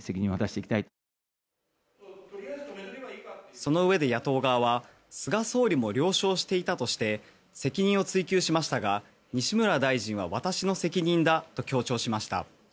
そのうえで野党側は菅総理も了承していたとして責任を追及しましたが西村大臣は私の責任だと強調しました。